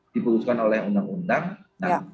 diputuskan oleh undang undang nah